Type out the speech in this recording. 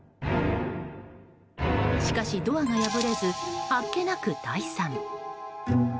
しかし、ドアが破れずあっけなく退散。